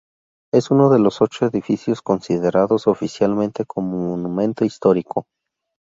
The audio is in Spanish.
Es uno de los ocho edificios considerados oficialmente como monumento histórico.